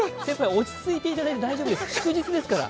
落ち着いていただいて大丈夫です、祝日ですから。